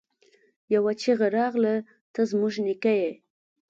يوه چيغه راغله! ته زموږ نيکه يې!